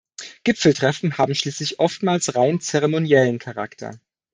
Gipfeltreffen haben schließlich oftmals rein zeremoniellen Charakter.